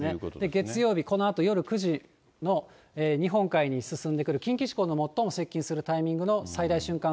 月曜日、このあと夜９時も日本海に進んでくる、近畿地方に最も接近するタイミングの最大瞬間